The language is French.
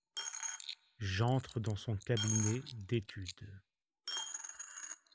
J’entre dans son cabinet d’étude…